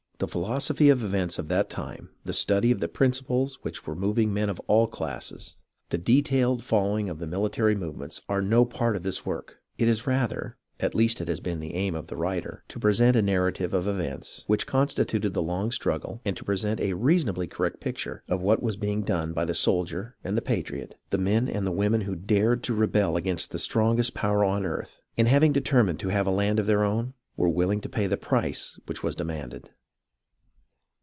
The philosophy of the events of that time, the study of the principles which were moving men of all classes, the detailed following of the military movements, are no part of this work. It is rather (at least it has been the aim of the writer) to present a narrative of the events which constituted the long struggle and to present a reasonably correct picture of what was being done by the soldier and the patriot — the men and the women who dared to rebel against the strongest power on earth, and having deter mined to have a land of their own, were willing to pay the price which was demanded.